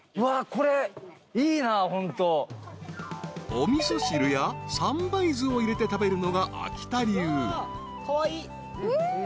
［お味噌汁や三杯酢を入れて食べるのが秋田流］カワイイ。